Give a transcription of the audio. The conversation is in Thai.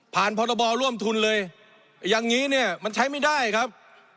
พรบร่วมทุนเลยอย่างนี้เนี่ยมันใช้ไม่ได้ครับ